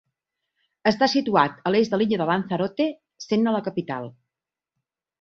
Està situat a l'est de l'illa de Lanzarote, sent-ne la capital.